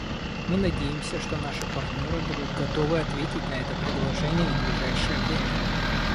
Мы надеемся, что наши партнеры будут готовы ответить на это предложение в ближайшее время.